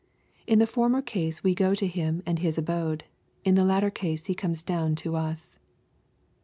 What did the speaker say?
In the former case we go up to Him and His abode. In the latter case He comes down to us."